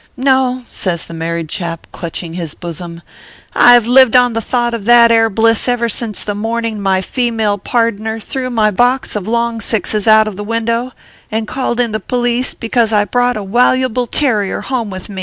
No !" says the married chap, clutching his bosom, " I ve lived on the thought of that air bliss ever since the morning rny female pardner threw my box of long sixes out of the window, and called in the police be cause I brought a waluable terrier home with me."